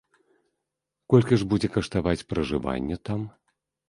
Колькі ж будзе каштаваць пражыванне там?